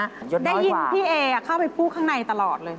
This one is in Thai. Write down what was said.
ได้ยินพี่เอเข้าไปพูดข้างในตลอดเลย